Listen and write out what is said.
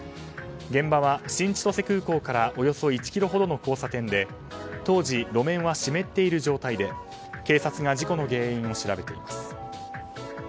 現場は新千歳空港からおよそ１ｋｍほどの交差点で当時、路面は湿っている状態で警察が事故の原因を調べています。